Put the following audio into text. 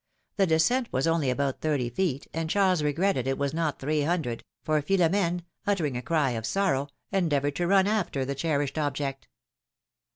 The descent was only about thirty feet, and Charles regretted it was not three hundred, for Philomene, utter ing a cry of sorrow, endeavored to run after the cherished object.